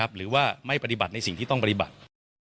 หรือว่าไม่ปฏิบัติในสิ่งที่ต้องปฏิบัติ